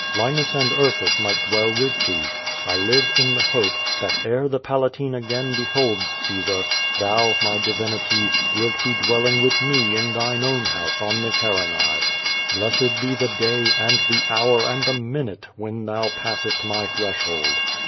Linus and Ursus might dwell with thee. I live in the hope, that ere the Palatine again beholds Caesar, thou, my divinity, wilt be dwelling with me in thine own house on the Carinae. Blessed be the dav, and the hour and the minute, when thou passest my threshold.